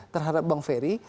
terhadap bang ferry